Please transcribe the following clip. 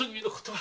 は？